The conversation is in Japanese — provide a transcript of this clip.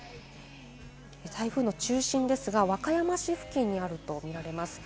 台風の中心ですが、和歌山市付近にあると見られます。